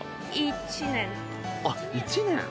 あっ１年。